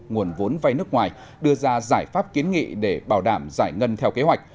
nguồn vốn vay nước ngoài đưa ra giải pháp kiến nghị để bảo đảm giải ngân theo kế hoạch